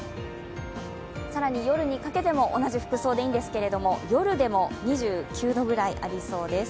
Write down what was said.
更に夜にかけても同じ服装でいいんですけど夜でも２９度ぐらいありそうです。